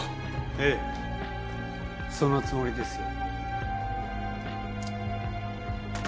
ええそのつもりですよ。